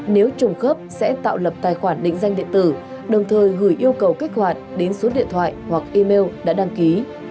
nếu trùng khớp sẽ tạo lập tài khoản định danh điện tử đồng thời gửi yêu cầu kích hoạt đến số điện thoại hoặc email đã đăng ký